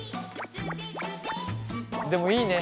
でもいいね。